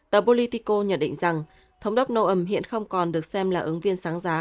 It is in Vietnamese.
tờ politico nhận định rằng thống đốc nom hiện không còn được xem là ứng viên sáng giá